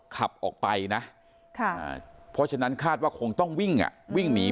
ขับออกไปนะเพราะฉะนั้นคาดว่าคงต้องวิ่งวิ่งหนี